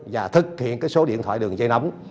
và thực hiện số điện thoại đường dây nóng